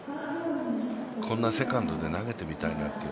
こんなセカンドで投げてみたいなっていう。